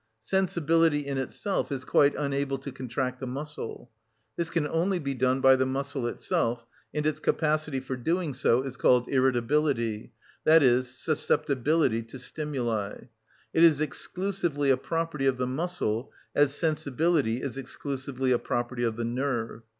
Sensibility in itself is quite unable to contract a muscle. This can only be done by the muscle itself, and its capacity for doing so is called irritability, i.e., susceptibility to stimuli. It is exclusively a property of the muscle, as sensibility is exclusively a property of the nerve.